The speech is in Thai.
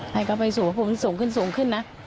ใครก็ไปสูงผมสูงขึ้นสูงขึ้นนะ